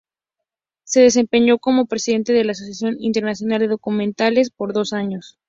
Se desempeñó como presidente de la Asociación Internacional de Documentales por dos años.